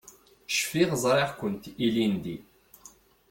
Cfiɣ ẓriɣ-kent ilindi.